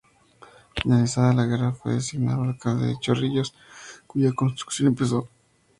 Finalizada la guerra, fue designado alcalde de Chorrillos, cuya reconstrucción empezó.